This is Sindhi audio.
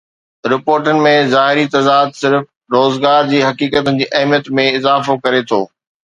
رپورٽن ۾ ظاهري تضاد صرف روزگار جي حقيقتن جي اهميت ۾ اضافو ڪري ٿو